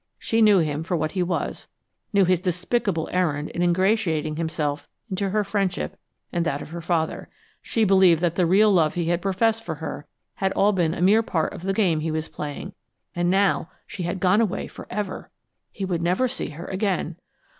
She knew him for what he was, knew his despicable errand in ingratiating himself into her friendship and that of her father. She believed that the real love he had professed for her had been all a mere part of the game he was playing, and now she had gone away forever! He would never see her again!